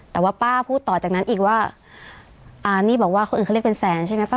แต่ว่าป้าพูดต่อจากนั้นอีกว่าอ่านี่บอกว่าคนอื่นเขาเรียกเป็นแสนใช่ไหมป้า